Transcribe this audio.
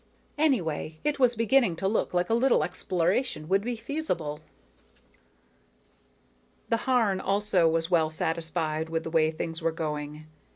Anyway, it was beginning to look like a little exploration would be feasible. _The Harn, also, was well satisfied with the way things were going.